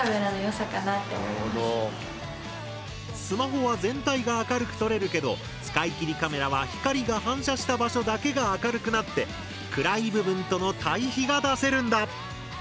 スマホは全体が明るく撮れるけど使い切りカメラは光が反射した場所だけが明るくなって暗い部分との対比が出せるんだ。